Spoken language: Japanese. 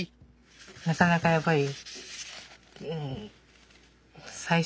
なかなかやっぱり。